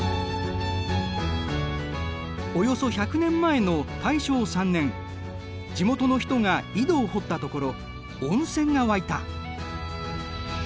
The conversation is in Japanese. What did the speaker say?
およそ１００年前の大正３年地元の人が井戸を掘ったところ温泉が湧いた。